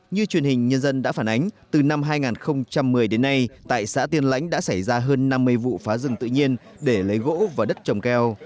như truyền hình nhân dân đã phản ánh từ năm hai nghìn một mươi đến nay tại xã tiên lãnh đã xảy ra hơn năm mươi vụ phá rừng tự nhiên để lấy gỗ và đất trồng keo